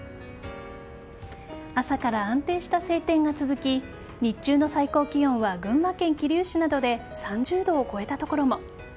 朝から安定した晴天が続き日中の最高気温は群馬県桐生市などで３０度を超えた所も。